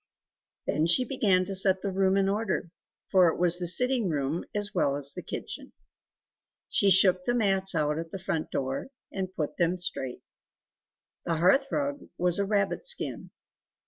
Then she began to set the room in order, for it was the sitting room as well as the kitchen. She shook the mats out at the front door and put them straight; the hearth rug was a rabbit skin.